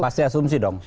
pasti asumsi dong